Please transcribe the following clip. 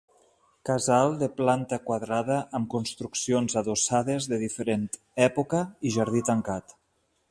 Casal de planta quadrada, amb construccions adossades de diferent època i jardí tancat.